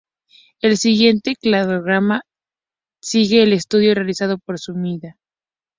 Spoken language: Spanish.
El siguiente cladograma sigue el estudio realizado por Sumida "et al.